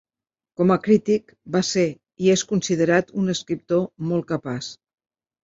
Com a crític, va ser i és considerat un escriptor molt capaç.